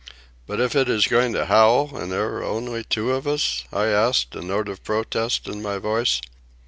"But if it is going to howl, and there are only two of us?" I asked, a note of protest in my voice.